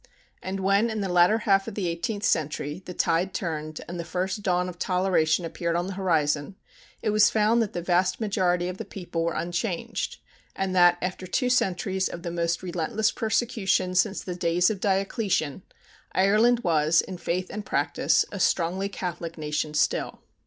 And when, in the latter half of the eighteenth century, the tide turned and the first dawn of toleration appeared on the horizon, it was found that the vast majority of the people were unchanged, and that, after two centuries of the most relentless persecution since the days of Diocletian, Ireland was, in faith and practice, a strongly Catholic nation still.